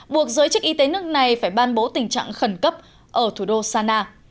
buộc giới chức y tế nước này phải ban bố tình trạng khẩn cấp ở thủ đô sana